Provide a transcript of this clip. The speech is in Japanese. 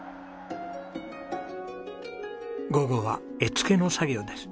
午後は絵付けの作業です。